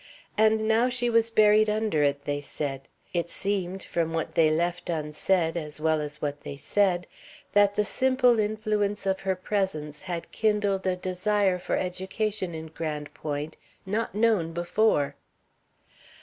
And now she was buried under it, they said. It seemed, from what they left unsaid as well as what they said, that the simple influence of her presence had kindled a desire for education in Grande Pointe not known before.